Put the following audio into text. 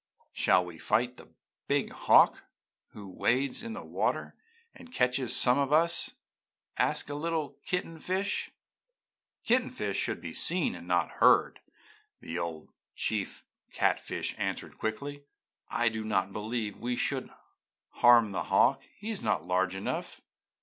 "'Shall we fight the big hawk who wades in the water and catches some of us?' asked a little kitten fish. "'Kitten fish should be seen and not heard!' the old chief catfish answered quickly. I do not believe we should harm the hawk. He is not large enough.